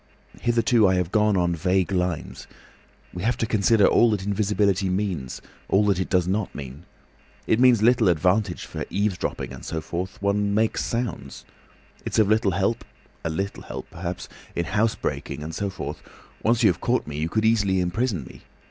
"Hitherto I have gone on vague lines. We have to consider all that invisibility means, all that it does not mean. It means little advantage for eavesdropping and so forth—one makes sounds. It's of little help—a little help perhaps—in housebreaking and so forth. Once you've caught me you could easily imprison me.